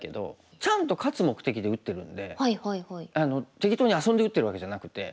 適当に遊んで打ってるわけじゃなくて。